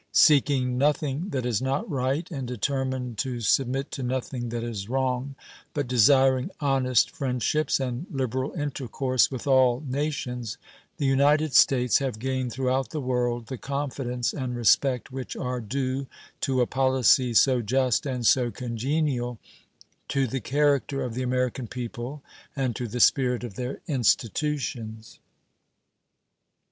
Seeking nothing that is not right and determined to submit to nothing that is wrong, but desiring honest friendships and liberal intercourse with all nations, the United States have gained throughout the world the confidence and respect which are due to a policy so just and so congenial to the character of the American people and to the spirit of their institutions.